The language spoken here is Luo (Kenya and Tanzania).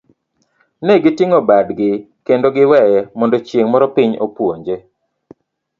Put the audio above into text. Negi ting'o badgi kendo giweye mondo chieng' moro piny opuonje.